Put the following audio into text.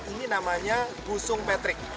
ini namanya gusung petrik